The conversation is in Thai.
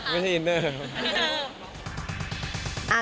ไม่ใช่อินเนอร์นะคะ